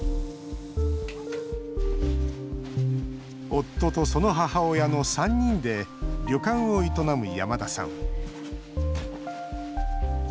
夫と、その母親の３人で旅館を営む山田さん。